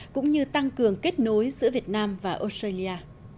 cũng như tăng cường kết nối giữa việt nam và australia